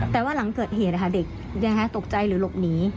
แต่ว่าหลังเกิดเหตุเด็กตกใจหรือหลบหนี